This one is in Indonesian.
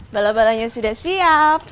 balok baloknya sudah siap